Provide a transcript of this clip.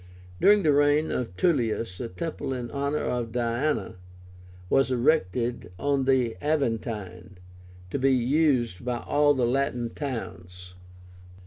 During the reign of Tullius a temple in honor of DIÁNA was erected on the Aventine, to be used by all the Latin towns.